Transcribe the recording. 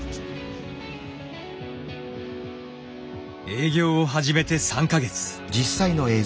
営業を始めて３か月。